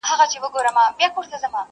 کله سوړ نسیم چلیږي کله ټاکنده غرمه سي!